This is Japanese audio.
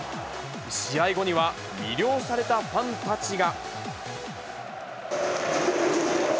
試合後には、魅了されたファンたちが。